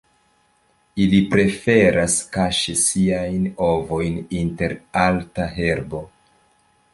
Ili preferas kaŝi siajn ovojn inter alta herbo.